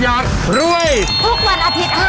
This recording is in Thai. อะไรพี่